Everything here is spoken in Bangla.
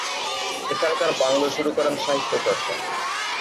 এখানকার বাংলোয় শুরু করেন সাহিত্যচর্চা।